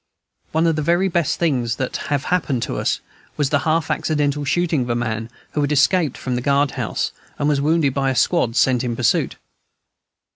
One of the very best things that have happened to us was the half accidental shooting of a man who had escaped from the guard house, and was wounded by a squad sent in pursuit.